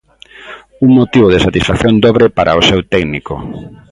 Un motivo de satisfacción dobre para o seu técnico.